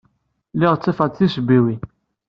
Lliɣ ttafeɣ-d tisebbiwin.